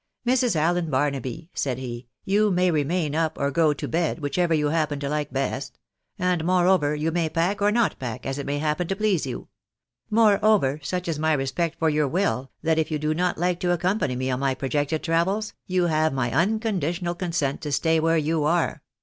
" jNIrs. Allen Baruaby," said he, " you may remain up or go to bed, whichever you happen to like best : and, moreover, you may pack, or not pack, as it may happen to please you. Moreover, such is my respect for your will, that if you do not like to accom pany me on my projected travels, you have my unconditional con sent to stay where you are.